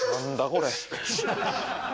これ。